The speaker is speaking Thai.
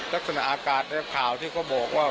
ลักษณะอากาศในข่าวที่เขาบอกว่า